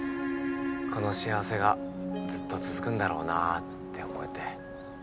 この幸せがずっと続くんだろうなって思えて。